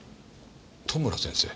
戸村先生？